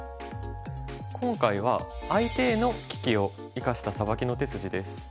今回は相手への利きを生かしたサバキの手筋です。